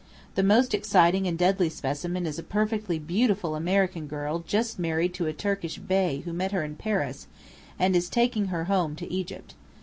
The most exciting and deadly specimen is a perfectly beautiful American girl just married to a Turkish Bey who met her in Paris, and is taking her home to Egypt.